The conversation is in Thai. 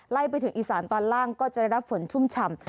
ไปถึงอีสานตอนล่างก็จะได้รับฝนชุ่มฉ่ำ